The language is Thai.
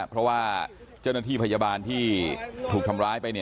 เพราะว่าเจ้าหน้าที่พยาบาลที่ถูกทำร้ายไป